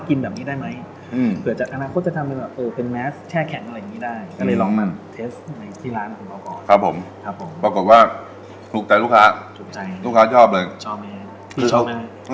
คุณชอบไหม